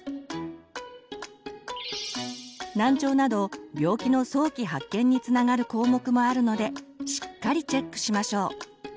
難聴など病気の早期発見につながる項目もあるのでしっかりチェックしましょう。